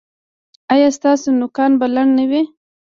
ایا ستاسو نوکان به لنډ نه وي؟